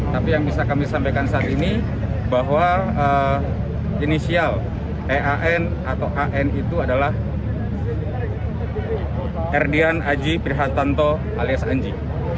tapi yang bisa kami sampaikan saat ini bahwa inisial ean atau an itu adalah erdian aji prihantanto alias anji